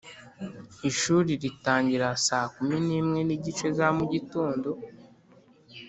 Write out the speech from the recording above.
ishuri ritangira saa kumi nimwe nigice za mugitondo.